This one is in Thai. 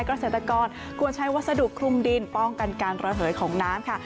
เกษตรกรควรใช้วัสดุคลุมดินป้องกันการระเหยของน้ำค่ะ